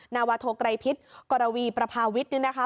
นาวาโทไกรภิษฐ์กรวีประภาวิษฐ์เนี่ยนะคะ